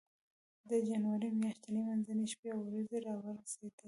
د جنوري میاشتې منځنۍ شپې او ورځې را ورسېدې وې.